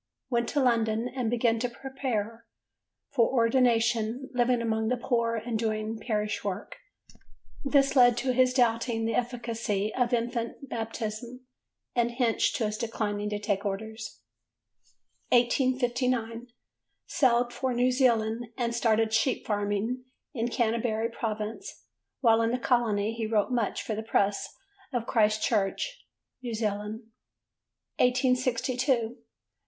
Went to London and began to prepare for ordination, living among the poor and doing parish work: this led to his doubting the efficacy of infant baptism and hence to his declining to take orders. 1859. Sailed for New Zealand and started sheep farming in Canterbury Province: while in the colony he wrote much for the Press of Christchurch, N.Z. 1862. Dec.